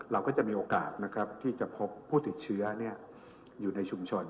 เราก็จะมีโอกาสนะครับที่จะพบผู้ติดเชื้ออยู่ในชุมชน